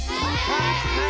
はい！